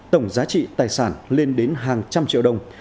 tổng giá trị tài sản lên đến hàng trăm triệu đồng